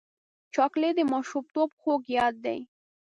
چاکلېټ د ماشومتوب خوږ یاد دی.